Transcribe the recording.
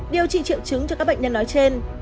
điều trị triệu chứng cho các bệnh nhân nói trên